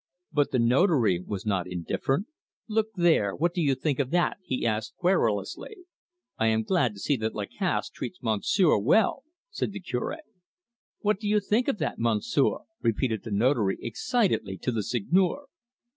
But the Notary was not indifferent. "Look there, what do you think of that?" he asked querulously. "I am glad to see that Lacasse treats Monsieur well," said the Cure. "What do you think of that, Monsieur?" repeated the Notary excitedly to the Seigneur.